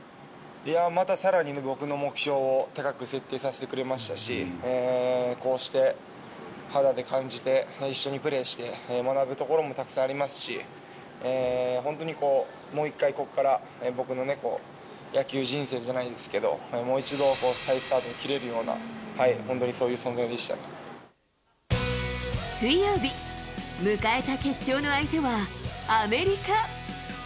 いや、またさらに僕の目標を高く設定させてくれましたし、こうして肌で感じて、一緒にプレーして、学ぶところもたくさんありますし、本当にこう、もう一回ここから僕のね、野球人生じゃないですけど、もう一度、再スタートを切れるような、水曜日、迎えた決勝の相手はアメリカ。